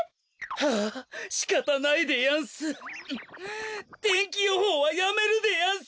はあしかたないでやんす天気予報はやめるでやんす。